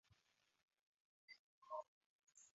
Katika mkoa wa Kobu.